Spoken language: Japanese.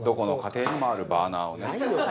ないよ。